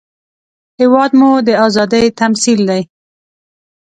هېواد مو د ازادۍ تمثیل دی